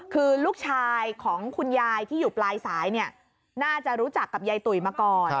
คือลูกชายของคุณยายที่อยู่ปลายสายน่าจะรู้จักกับยายตุ๋ยมาก่อน